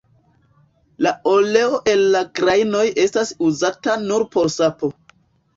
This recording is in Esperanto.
La oleo el la grajnoj estas uzata nur por sapo.